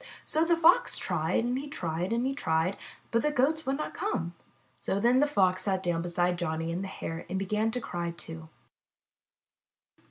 So the Fox tried and he tried and he tried, but the Goats would not come. Then the Fox sat down beside Johnny and the Hare and began to cry, too.